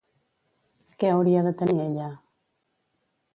Què hauria de tenir ella?